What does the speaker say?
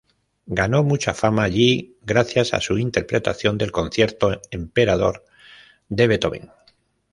Ganó mucha fama allí gracias a su interpretación del concierto" "Emperador" de "Beethoven.